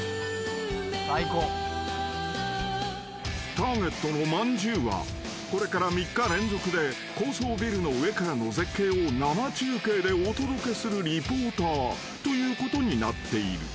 ［ターゲットのまんじゅうはこれから３日連続で高層ビルの上からの絶景を生中継でお届けするリポーターということになっている］